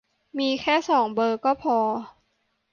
มีแค่สองเบอร์ก็พอ